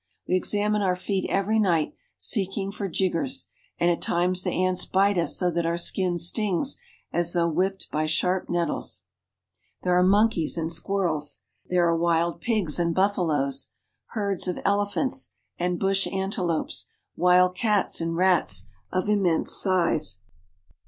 We examine our feet every night, seeking for jiggers, and at times the ants bite us so that our skin stings as though whipped by sharp nettles. There are many monkeys and squirrels. There are wild pigs and wild buffaloes, herds of elephants and bush antelopes, wild cats and rats of im mense size.